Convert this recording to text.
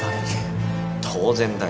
当然だよ。